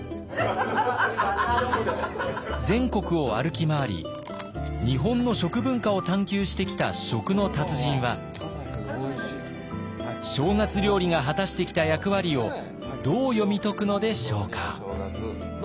全国を歩き回り日本の食文化を探求してきた食の達人は正月料理が果たしてきた役割をどう読み解くのでしょうか？